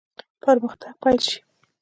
پرمختګ پیل شي.